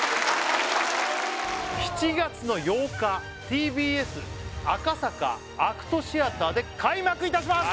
７月８日ＴＢＳ赤坂ＡＣＴシアターで開幕いたします！